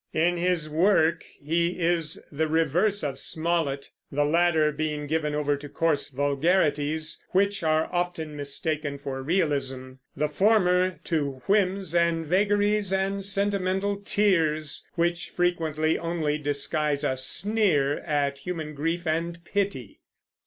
In his work he is the reverse of Smollett, the latter being given over to coarse vulgarities, which are often mistaken for realism; the former to whims and vagaries and sentimental tears, which frequently only disguise a sneer at human grief and pity.